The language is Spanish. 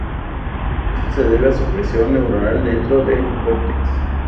Esto se debe a supresión neuronal dentro del cortex.